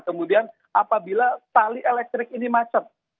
kemudian apabila tali elektrik ini macet